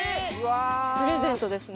プレゼントですね。